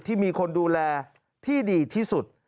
ที่มีคนดูแลที่ดีที่สุด